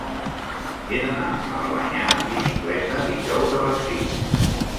He d'anar a Albanyà amb bicicleta dijous a les sis.